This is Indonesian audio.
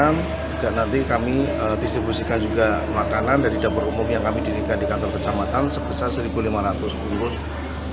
nggak bisa di tempatnya ya